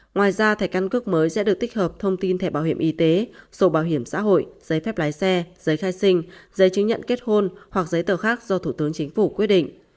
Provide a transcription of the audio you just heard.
ngoài ra thẻ căn cước mới sẽ được tích hợp thông tin thẻ bảo hiểm y tế sổ bảo hiểm xã hội giấy phép lái xe giấy khai sinh giấy chứng nhận kết hôn hoặc giấy tờ khác do thủ tướng chính phủ quyết định